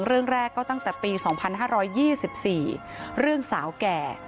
เรื่องแรกก็ตั้งแต่ปี๒๕๒๔เรื่องสาวแก่